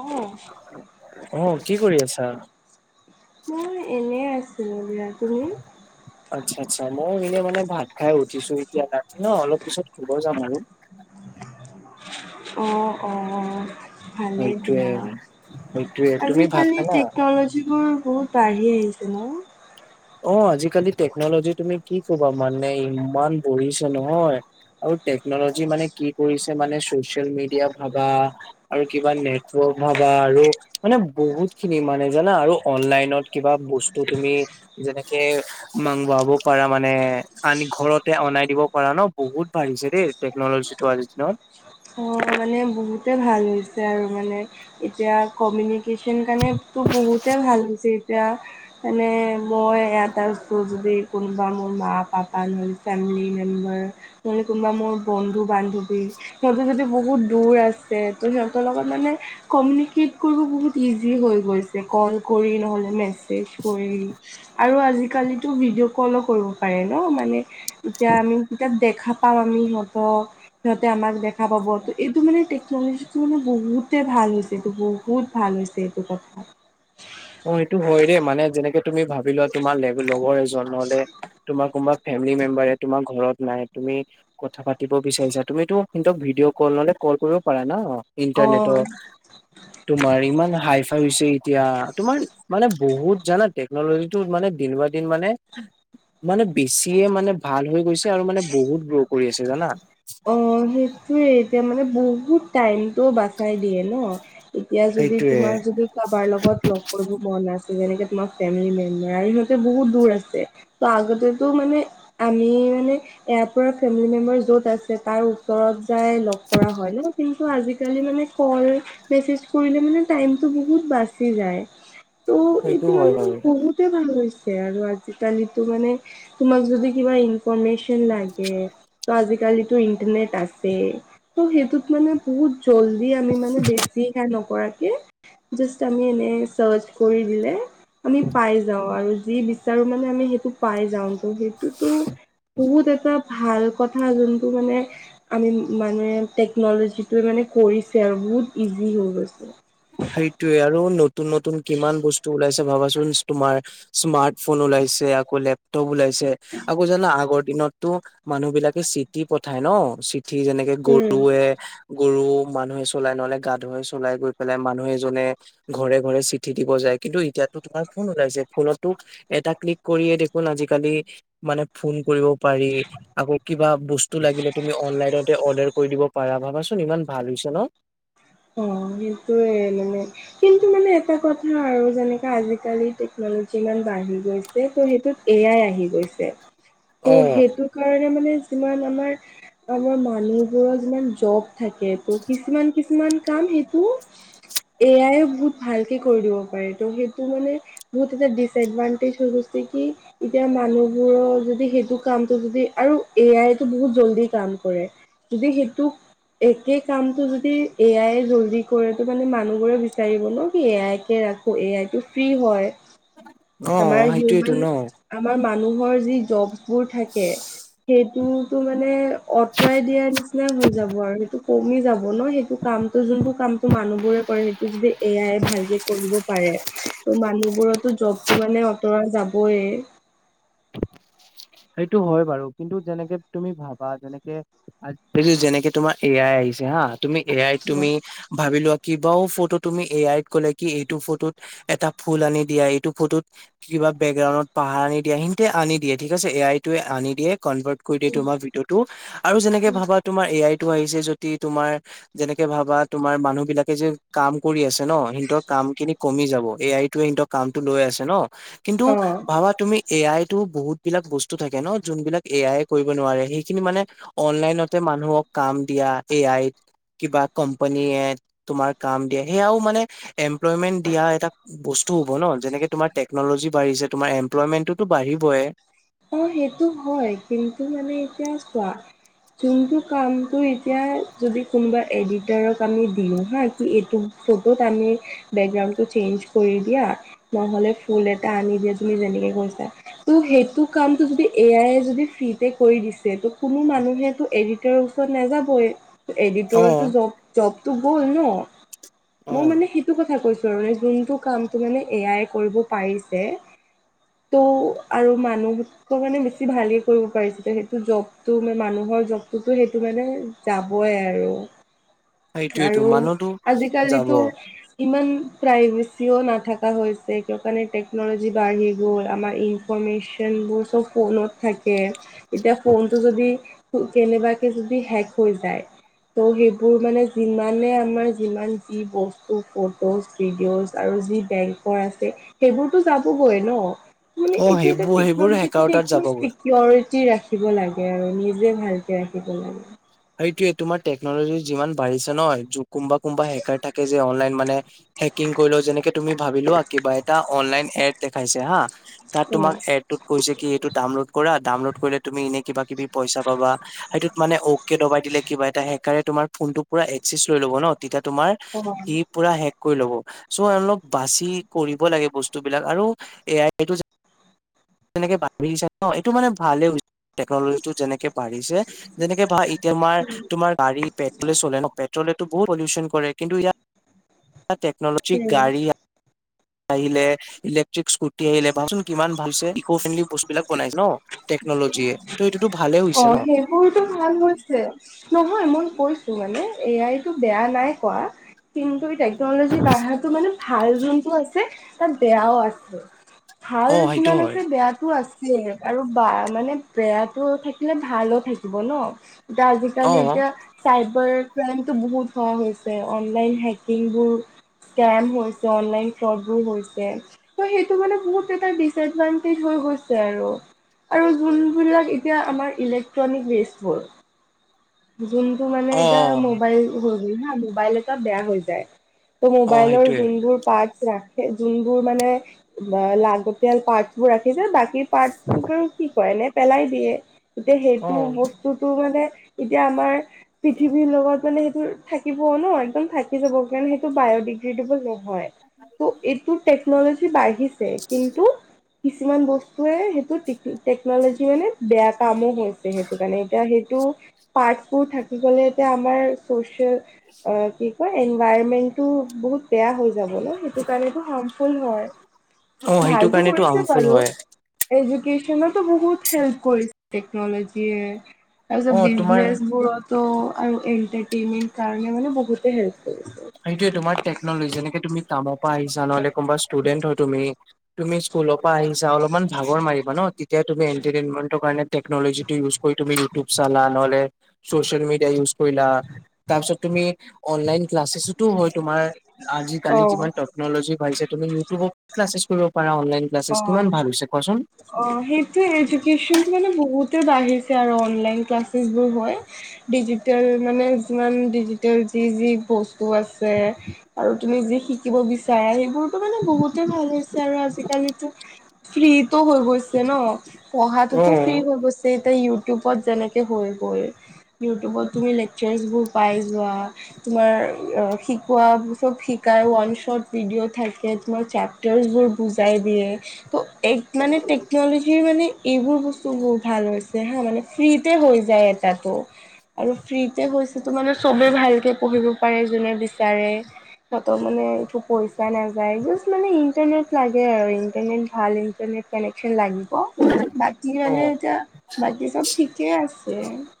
অঁ' অ কি কৰি আছা? মই এনে আছিলো ৰা, তুমি? আচ্ছা আচ্ছা মই এনেই মানে ভাত খাই উঠিছো এতিয়া ৰাতি ন অলপ পিছত শুব যাম আৰু। অ অ। ভালে সেইটোয়ে দিয়া সেইটোয়ে তুমি ভাত আজিকালি খালা? টেকনলজিবোৰ বহুত বাঢ়ি আহিছে ন? অ আজিকালি টেকনলজি তুমি কি কবা মানে ইমান বড়িছে নহয়। আৰু টেকনলজি মানে কি কৰিছে মানে ছ'চিয়েল মিডিয়া ভাবা আৰু কিবা নেটৱৰ্ক ভাবা আৰু মানে বহুতখিনি মানে জানা আৰু অনলাইনত কিবা বস্ত- তো তুমি যেনেকে মাং বাব পাৰা মানে আনি ঘৰতে অনাই দিব পাৰা ন বহুত বাঢ়িছে দেই। টেকনলজিটো আজিৰ দিনত। অ মানে বহুতে ভাল হৈছে আৰু মানে। এতিয়া কমিউনিকেশ্যন কাণেটো বহুতে ভাল হৈছে এতিয়া। মানে মই ইয়াত আছোঁ যদি কোনোবা মো মা পাপা নোই ফেমিলি মেম্বাৰ। নহলে কোনোবা মোৰ বন্ধু-বান্ধৱী সিহঁতো যদি বহুত দূৰ আৰ- তে তোৰ সিহঁতৰ লগত মানে কমিউনিকেট কৰিব বহুত ইজি হৈ গৈছে কল কৰি নহ'লে মেছেজ কৰি। আৰু আজিকালিতো ভিডিঅ' কলো কৰিব পাৰে ন মানে। এতিয়া আমি এতিয়া দেখা পাাও আমি সিহঁতক সিহঁতে আমাক দেখা পাব ত এইটো মানে টেক- টেকনলজিটো মানে বহুতে ভাল হৈছে এইটো বহুত ভাল হৈছে এইটো কথা। অ সেইটো হয় দেই মানে যেনেকে তুমি ভাবি লোৱা তোমাৰ লগৰ এজনলে তোমাৰ কোনোবা ফেমিলি মেম্বাৰে তোমাৰ ঘৰত নাই তুমি কথা পাতিব বিচাৰিছা। তুমিতো সিনতক ভিডিঅ' কল নহলে কল কৰিব পাৰা ন। ইণ্টাৰনেটৰ অ তোমাৰ ইমান হাই ফাই হৈছে এতিয়া। তোমাৰ মানে বহুত জানা টেকনলজিটো মানে দিন বা দিন মানে মানে বেছিয়ে মানে ভাল হৈ গৈছে আৰু মানে বহুত গ্ৰ'ৰ কৰি আছে জানা। অ সেইটোৱে এতিয়া মানে বহুত টাইমতটো বাচাই দিয়ে ন। এতিয়া যদি সেইটোৱে। তোমাৰ যদি কাৰোবাৰ লগত লওক। [unintelligible] মন আছে যেনেকে তোমাৰ ফেমেলি মেমাৰ ইহঁতে বহুত দূৰ আছে। তা, আগতেতো মানে আমি, মানে এয়াৰ পৰা ফেমিলি মেম্বাৰ য'ত আছ যে তাৰ ওচৰত যাই লগ কৰা হয় ন [unintelligible] ত আজিকালি মানে কল মেছেজ কৰিলে মানে টাইমটো বহুত বাচি যায়। ত সেইটো এইটো হয় মানে বাৰু। বহুতে ভাল হৈছ [unintelligible] মানে তোমাক যদি কিবা ইনফৰমেশচন লাগে। ত আজিকালি কালিটো ইন্টাৰনেট আছে ত সেইটোত মানে বহুত জল্দি আমি মানে বেছিকে নকৰাকে জাষ্ট আমি এনেই চাৰ্চ কৰি দিলে। আমি পাই যাওঁ আৰু যি বিচাৰো মানে আমি সেইটো পাই যাওঁতো সেইটোতো বহুত এটা ভাল কথা যোনটো মানে আমি মানে টেকনলজিটোৱে মানে কৰিছে আৰু বহুত ইজি হৈ গৈছে। সেইটোয়ে আৰু নতুন নতুন কিমান বস্তু ওলাইছে ভাবাচোন। তোমাৰ স্মাৰ্ট ফোন ওলাইছে আকৌ লেপটপ ওলাইছে আকৌ জানা আগৰ দিনত ত মানুহবিলাকে চিঠি পঠায় ন, চিঠি যেনেকে উম। গৰুৱে গৰু মানুহে চলাই নহলে গাধই চলাই গৈ পেলাই মানুহ এজনে ঘৰে ঘৰে চিঠি দিব যায় কিন্তু এতিয়াটো তোমাৰ ফোন ওলাইছে। ফোনতটো এটা ক্লিক কৰিয়ে দেখোন আজিকালি মানুহে ফোন কৰিব পাৰি আকৌ কিবা বস্তু লাগিলে তুমি অনলাইনতে অৰ্ডাৰ পাৰা। ভাবাচোন ইমান ভাল হৈছে ন '? অঁ, সেইটোৱে মানে কিন্তু মানে এটা কথা আৰু যেনেকাে আজিকালি টেকন'লজি ইমান বাঢ়ি গৈছে। ত' সেইটোত এ আই আহি গৈছে। অ ত' সেইটো কাৰণে মানে যিমান আমাৰ আমাৰ মানুহবোৰৰ যিমান জব থাকে ত' কিছুমান কিছুমান কাম সেইটো এ আইয়ে বহুত ভালকে কৰি দিব পাৰে। ত' সেইটো মানে বহুত এতিয়া দিছ এডভান্তিচ হৈ গৈছে কি এতিয়া মানুহবোৰৰ যদি সেইটো কামটো যদি আৰু এ আইটো বহুত জল্দি কাম কৰে। যদি সেইটোক একে কামটো যদি এ আইয়ে জল্দি কৰে সেইটো কাৰণে মানে মানুহবোৰে বিচাৰিব ন' কি এ আইকে ৰাখো, এ আইটো ফ্ৰী হয়। অঁ, আমাৰ অঁ সেইটোৱেটো হিউমেন ন '? আমাৰ মানুহৰ যি জববোৰ থাকে সেইটোতো মানে অঁতৰাই দিয়া নিচিনা হৈ যাব আৰু সেইটো। কমি যাব ন'? সেইটো কামটো যোনটো কামটো মানুহবোৰে কৰে সেইটো যদি এ আই ভালকে কৰিব পাৰে। ত' মানুহবোৰটো জবটো মানে অঁতৰা যাবই। সেইটো হয় বাৰু কিন্তু যেনেকে তুমি ভাবা যেনেকে আজিকালি যেনেকে তোমাৰ এ আই আহিছে হাঁ। তুমি এ আইত তুমি ভাৱি লোৱা কিবাও ফটো তুমি এ আইত ক'লে কি এইটো ফটোত এটা ফুল আনি দিয়া, এইটো ফটোত কিবা বেকগ্ৰাউণ্ডত পাহাৰ আনি দিয়া সিহঁতে আনি দিয়েই ঠিক ঠিক আছে। এ আইটোয়ে আনি দিয়ে কনভাৰ্ট কৰি দিয়ে তোমাৰ ভিডিঅ 'টো আৰু যেনেকে ভাবা তোমাৰ এ আইটো আহিছে যদি তোমাৰ যেনেকে ভাবা তোমাৰ মানুহ বিলাকে যে কাম কৰি আছে ন'? সিহঁতৰ কামখিনি কমি যাব। এ আইটোৱে সিহঁতক কামটো লৈ আছে ন '? কিন্তু অ ভাৱা তুমি এ আইটো বহুত বিলাক বস্তু থাকে ন'? যোনবিলাক এ আই এ কৰিব নোৱাৰে সেইখিনি মানে অনলাইনতে মানুহক কাম দিয়া এ আইত কিবা কোম্পানীয়ে তোমাৰ কাম দিয়ে। সেয়াও মানে এমপ্লইমেণ্ট দিয়া এটা বস্ স্তু হ'ব ন'? যেনেকে তোমাৰ টেকনলজি বা়ঢ়িছে, তোমাৰ এমপ্লইমেণ্টটোতো বাঢ়িবই। অঁ, সেইটো হয় কিন্তু মানে এতিয়া চোৱা যোনটো কামটো এতিয়া যদি কোনোবা এডিটাৰক আমি দিওঁ হাঁ কি এইটো ফটোত আনি বেকগ্ৰাউণ্ডটো চেঞ্জ কৰি দিয়া। নহলে ফুল এটা আনি দিয়া। তুমি যেনেকে কৈছা ত' সেইটোক কামটো যদি এ আইয়ে যদি ফ্ৰীতে কৰি দিছে ত' কোনো মানুহেটো এডিটাৰৰ ওচৰত নাযাবই। অ এডিটৰো জব জবটো গ'ল ন'? অ মই মানে সেই সেইটো কথা কৈছোঁ আৰু মানে যোনটো কামটো মানে এ আইয়ে কৰিব পাৰিছে। টো আৰু মানুহ কিছু কিছুমানে বেছি ভালেই কৰিব পাৰিছে। এতিয়া সেইটো জবটো মানে মানুহৰ জবটোতো সেইটো মানে যাবই আৰু। এইটোৱেটো আৰু মানুহতো যাব। আজিকালিতো ইমান প্ৰাইভেচিও নাথাকা হৈছে এইটো কাৰণে টেকন'লজি বাঢ়ি গ'ল। আমাৰ ইন ফৰ্মেচনবোৰ চব ফোনত থাকে। এতিয়া ফোনটো যদি কেনেবাকে যদি হেক হৈ যায়। ত' সেইবোৰ মানে যিমানে আমাৰ যিমান যি বস্তু ফটোজ ভিডিওচ আৰু যি বেংকৰ আছে সেইবোৰতো যাবগৈ ন। মানে অ এইটো এটা সেইবোৰ সেইবোৰ টেকন'লজি হেকাৰ তাত যাবগৈ চিকিৰিটি ৰাখিব লাগে আৰু নিজে ভালকে ৰাখিব লাগে। সেইটোৱে তোমাৰ টেকনলজি যিমান বাঢ়িছে ন কোনোবা কোনোবা হেকাৰ থাকে যে অনলাইন মানে- হেকিং কৰিলও যেনেকে তুমি ভাবি লোৱা কিবা এটা অনলাইন এট দেখাইছে হা। তাত অ তোমাক এড ত কৈছে কি এইটো ডাউনলোড কৰা ডাউনলোড কৰিলে তুমি এনে কিবা কিবি পইচা পাবা সেইটোত মানে কে দবাই দিলে কিবা এটা হেকাৰে তোমাৰ ফোনটো একচেছ কৰি ল'ব ন তেতিয়া তোমাৰ- অ। সি পুৰা হেক কৰি ল'ব চ' অলপ বাচি কৰিব লাগে বস্তুবিলাক আৰু। এয়াই এইটো, তেনেকে বি ন এইটো মানে ভালে হৈছে। টেকনলজি টো যেনেকে বাঢ়িছে যেনেকে বা তোমাৰ তোমাৰ গাড়ী পেট্ৰলে চলে ন পেট্ৰলেতো বহুত পলিউচন কৰে কিন্তু ইয়াত, টেকনলজি উম গাড়ী আহিলে ইলেক্ট্ৰিক স্কুটি আহিলে ভাবচোন কিমান ভাল ইকো ফ্ৰেণ্ডলি বস্তু বিলাক বনাইছে ন। টেকনলজিয়ে ত' এইটোতো ভালে হৈছে ন। বহুতো ভাল হৈছে। নহয় মই কৈছো মানে এ আইটো বেয়া নাই কোৱা। কিন্তু টেকনলজি বাঢ়াটো মানে ভাল যোনটো আছে তাত বেয়াও আছে। ভাল অ সেইটো যিমান হয় আছে বেয়াটো আছে আৰু বা মানে বেয়া টো থাকিলে ভালো থাকিব ন এতিয়া অ আজিকালি এতিয়া- চাইবাৰ ক্ৰাইমটো বহুত হোৱা হৈছে অনলাইন হেকিংবোৰ। কেম হৈছে অনলাইন ফ্ৰডবোৰ হৈছে। ত সেইটো মানে বহুত এটা ডিচএডভানটেজ হৈ গৈছে আৰু, আৰু যোনবিলাক- এতিয়া আমাৰ ইলেক্ট্ৰনিক ৱেষ্টবোৰ। যোনটো মানে অ এতিয়া মোবাইল হৈ গৈ মোবাইল এটা বেয়া হৈ যায়। ত অ অ মোবাইলৰ সেইটোয়ে যোনবোৰ পাৰ্ট ৰাখে যোনবোৰ মানে লাগতিয়াল পাৰ্টবোৰ ৰাখিছে বাকী- পাৰ্ট কি কয় নে পেলাই দিয়ে এতিয়া অ সেইটো বস্তুটো মানে এতিয়া আমাৰ- পৃথিৱীৰ লগত মানে সেইটো থাকিব ন একদম থাকি যাব কাৰণে সেইটো বায়টিক ইলিজিবুল নহয় এইটো টেক টেকনলজি বাঢ়িছে কিন্তু কিছুমান বস্তুৱে সেই টেকনলজি মানে বেয়া কামো হৈছে সেইটো কাৰণে এতিয়া সেইটো পাৰ্টবোৰ থাকি গলে এতিয়া আমাৰ চচিয়েল কি কয় এনভাইৰমেন্ট- বহুত বেয়া হৈ যাবলৈ সেইটো কাৰণটো হাৰ্মফুল হয়। অ সেইটো ভালতো কাৰণেতো কৰিছে হাৰ্মফুল বাৰু। হয় এডুকেশ্যনতো বহুত হেল্প কৰিছে অ টেকনলজিয়ছ। তোমাৰ আৰু এন্টেমেন কাৰণ মানে বহুতে। কৰিছে। সেইয়েোমাৰ টেকনলজি যেনেকে তুমি কামৰ পৰা আহিছা নহলে কোনোবা ষ্টুডেন্ট হয় তুমি। তুমি স্কুলৰ পৰা আহিছা অলপমান ভাগৰ মাৰিবা ন তেতিয়া তম এটাৰম কাৰ টেকনলজটো ইউজ কৰি তুমি ইউটিউব চালা নহলে চচিয়েল মিডিয়া ইউজ কৰিলা তাৰপিছত তুমি অনলাইন ক্লাছেছতো হয় তোমাৰ অ আজিকালি যিমান ত টেকনলজি ভালছে তুমি ইউটিউবত ক্লাছ কৰিব পাৰা অনলাইন ক্লাছেছ কিমান অ ভাল হৈছে কোৱাচোন। অ সেইটোৱ এডিকেচন মানে বহুতে বাঢ়িছে আৰু অনলাইন ক্লাছেছবোৰ হয়। ডিজিটেল মানে যিমান ডিজিটেল যি যি বস্তু আছে [unintelligible] আৰু তুমি যি শিকিব বিচাৰা সেইবোৰ [unintelligible] মানে বহুতে ভাল হৈছে আৰু আজিকালিটো ফ্ৰীতো হৈ গৈ [unintelligible] [inaudible] ন পঢ়াটোতো ফ্ৰি অ', হৈ গৈছে এতিয়া ইউটিউবত যেনেকে হৈ গৈ [unintelligible] ইউটিউবত তুমি লেকচাৰবোৰ পাই যোৱা। [unintelligible] তোমাৰ শিকোৱা চব শিকাই ওৱান শ্বট ভিডিঅ' থাকে তোমাৰ চেপ [unintelligible] [unintelligible] টৰচবোৰ বুজাই দিয়ে, তো এক মানে টেকন'ল'জিৰ মানে [inaudible] এইবোৰ বস্তু বহুত ভাল হৈছে হা মানে ফ্ৰীতে হৈ যায় এটাটো। [unintelligible] আৰু ফ্ৰীতে হৈছেতো মানে চবে ভালকে পঢ়িব পাৰে যোনে বেছ [unintelligible] বিচাৰে সিহঁতৰ মানে একো পইচা নাযায়, জাষ্ট মানে ইণ্টাৰনেট লাগে আৰু। [unintelligible] [inaudible] ভাল ইণ্টাৰনেট কানেকশ্বন লাগিব বাকী অ'। মানে এতিয়া [unintelligible] বাকী চব ঠিকে আছে। [inaudible]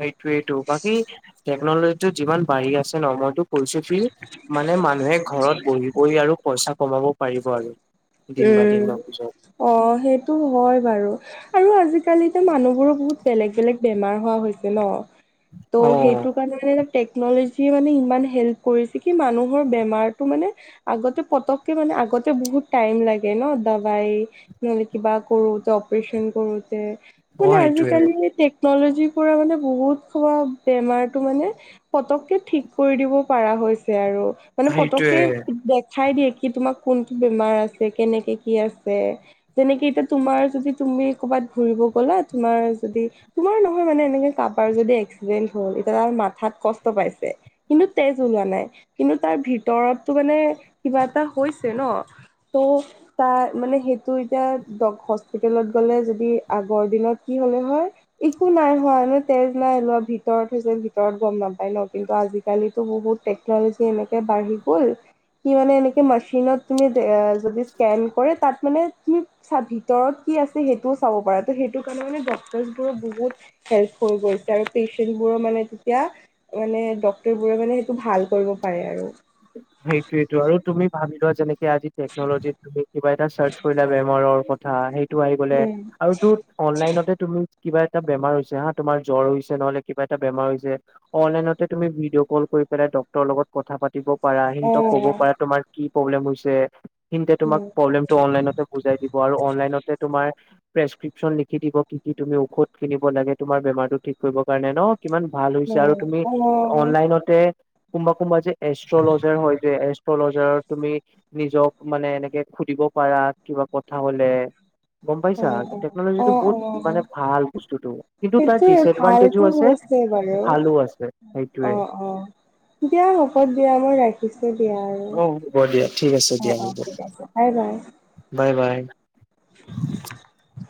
সেইটোৱেইটো বাকী টেকনলজিটো যিমান [unintelligible] পঢ়ি আছে নমৰটো কৰিছে কি মানে মানুহে ঘৰত বহি [unintelligible] [inaudible] আৰু পইচা কমাব পাৰিব আৰু। দিন বা উম। দিনৰ পিছত। অ সেইটো হয় বাৰু আৰু আজিকালিতো মানুহ [unintelligible] [inaudible] বহুত বেলেগ-বেলেগ বেমাৰ হোৱা হৈছে ন ত' অ', সেইটো কাৰণে মানে। টেকন'লজীয়ে মানে ইমান হেল্প কৰিছে কি মানুহৰ বেমাৰটো মানে [unintelligible] আগতে পতককে মানে আগতে বহুত [inaudible] টাইম লাগে ন দাবাই, নহলে কিবা কৰো, অপাৰেচন কৰো [unintelligible] [unintelligible] অ', মানে সেইটোয়ে আজিকালি টেক টেকন'লজিৰ পৰা মানে বহুত [inaudible] বেমাৰটো মানে পতককে ঠিক কৰি দিব পাৰা হৈছে আৰু। [unintelligible] মানে পতককে সেইটোয়ে। দেখাই দিয়ে কি তোমাক কোনটো বেমাৰ আছে কেনেকে কি আছে? [unintelligible] যেনেকে এতিয়া তোমাৰ যদি তুমি কৰ'বাত ঘূৰিব গ'লা তোমাৰ যদি [unintelligible] তোমাৰ নহয় মানে এনেকে কাৰোবাৰ যদি এক্সিডেণ্ট হল এতিয়া তাৰ মাথাত কষ্ট পাইছে। [unintelligible] কিন্তু তেজ ওলোৱা নাই কিন্তু তাৰ ভিতৰতটো মানে কিবা এটা হৈছে ন? [unintelligible] অ [unintelligible] তাৰ মানে সেইটো এতিয়া [inaudible] হস্পিতেলত গ'লে যদি আগৰ দিনত কি হ'লে হয় একো নাই হোৱা তেজ নাই লোৱা ভিতৰত হৈছে ভিতৰত গম নাপায় ন কিন্তু আজি [unintelligible] আজিকালিতো বহুত টেকনলজি এনেকে বাঢ়ি গ'ল সি মানে এনেকে মাচিনত তুমি [unintelligible] [inaudible] যদি স্কেন কৰে তাত মানে তুমি চা ভিতৰত কি আছে সেইটোও চাব পাৰা। ত' সেইটো কাৰণে মানে ডক্টৰবোৰৰ বহুত [unintelligible] হেল্প হৈ গৈছে আৰু পেচেণ্টবোৰো মানে তেতিয়া [unintelligible] মানে ডক্তৰবোৰে মানে সেইটো ভাল কৰিব পাৰে আৰু। [unintelligible] সেইটোৱেইটো আৰু তুমি ভাবি লোৱা যেনেকে আজি টেকনলজিত তুমি কিবা এটা চাৰ্চ কৰিলা বে [unintelligible] [inaudible] ঘৰৰ কথা সেইটো আহি গ'লে উম আৰু [inaudible] অনলাইনতে তুমি কিবা এটা বেমাৰ হৈছে হা তোমাৰ জ্বৰ হৈছে নহলে কিবা এটা বেমাৰ হৈছে। [unintelligible] অনলাইনতে তুমি ভিডিঅ' কল কৰি পেলাই ডক্টৰৰ লগত কথা পাতিব [unintelligible] পাৰা অ সিহঁতক ক'ব পাৰা, তোমাৰ কি প্ৰব্লেম হৈছে। সিহঁতে তোমাক উম প্ৰব্লেমটো অনলাইনত [unintelligible] [unintelligible] বুজাই দিব আৰু অনলাইনতে তোমাৰ প্ৰেচক্ৰিপশ্যন লিখি দিব কি কি তুমি ঔষধ কিনিব লাগে। তোমাৰ বেমাৰটো ঠিক কৰিব কাৰণে ন'। [unintelligible] কিমান ভাল অ হৈছে আৰু তুমি অনলাইনত [unintelligible] [inaudible] কোনবা-কোনবা যে এষ্ট্ৰলজাৰ হয় যে এচ [inaudible] তলজাৰৰ তুমি নিজক মানে এনেকে সুধিব পাৰা কিবা কথা হ'লে। [unintelligible] গম অ পাইছা অ টেকনলজিটো বহুত অ', মানে অ'। ভাল বস্তুটো কিন্তু তাৰ সেইটোৱে ডিচএডভানটেজো ভালতো আছে। হৈছে বাৰু ভালো আছে অ সেইটোৱে। অ দিয়া হব দিয়া মই ৰাখিম পিছে দিয়া আৰু অ হ'ব দিয়া ঠিক আছে দিয়া অ অ হ'ব ঠিক আছে বাই বাই। Bye bye. [unintelligible]